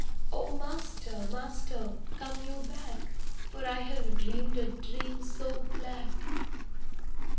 'Oh master, master, come you back, For I have dreamed a dream so black!